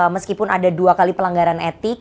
meskipun ada dua kali pelanggaran etik